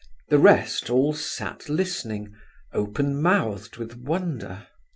The rest all sat listening, open mouthed with wonder.